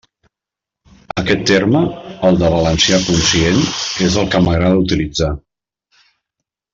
Aquest terme, el de «valencià conscient» és el que m'agrada utilitzar.